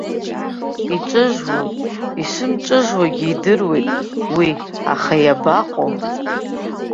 Иҿыжуам, ишымҿыжуагьы идыруеит уи, аха иабаҟоу.